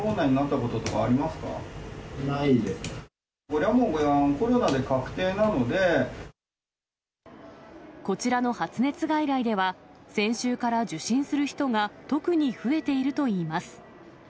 これはもう、コロナで確定なこちらの発熱外来では、先週から受診する人が特に増えているといいます。